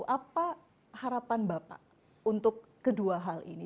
apa harapan bapak untuk kedua hal ini